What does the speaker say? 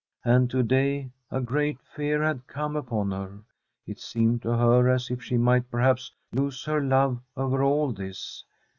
And to day a great fear had come upon her. It seemed to her as if she might perhaps lose her love over all this.